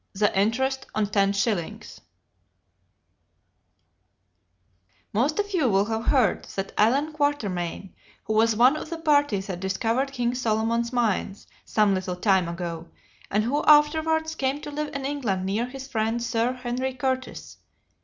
THE INTEREST ON TEN SHILLINGS Most of you will have heard that Allan Quatermain, who was one of the party that discovered King Solomon's mines some little time ago, and who afterwards came to live in England near his friend Sir Henry Curtis.